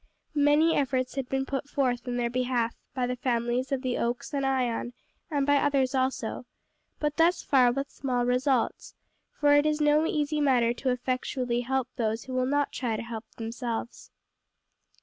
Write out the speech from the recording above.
Many efforts had been put forth in their behalf, by the families of the Oaks and Ion, and by others also, but thus far with small results, for it is no easy matter to effectually help those who will not try to help themselves.